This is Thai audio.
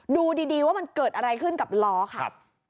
ดูดีว่ามันเกิดอะไรขึ้นกับล้อค่ะ